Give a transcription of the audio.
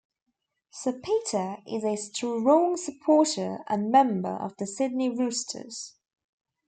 Sir Peter is a strong supporter and member of the Sydney Roosters.